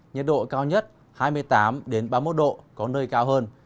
nhiệt độ cao nhất hai mươi tám ba mươi một độ có nơi cao hơn